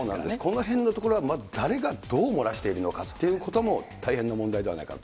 このへんのところ、誰がどう漏らしているのかというのも、大変な問題ではないかと。